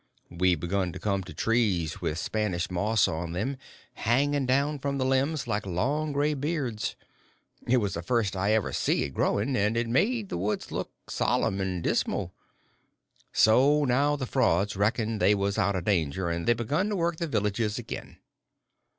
We begun to come to trees with Spanish moss on them, hanging down from the limbs like long, gray beards. It was the first I ever see it growing, and it made the woods look solemn and dismal. So now the frauds reckoned they was out of danger, and they begun to work the villages again.